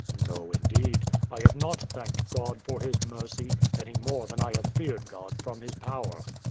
W. A. No, indeed, I have not thanked God for His mercy, any more than I have feared God from His power.